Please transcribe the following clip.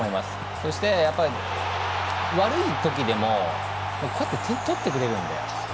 そして、やっぱり悪い時でもこうやって点を取ってくれるんで。